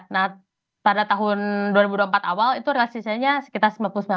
nah pada tahun dua ribu dua puluh empat awal itu relasinya sekitar sembilan puluh sembilan